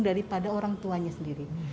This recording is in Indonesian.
daripada orang tuanya sendiri